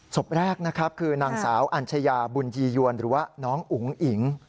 ศพแรกคือนางสาวอันชาญาบุญญียวรหรือว่าน้องอุฮิง